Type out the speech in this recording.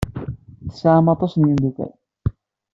Tesɛam aṭas n yimeddukal.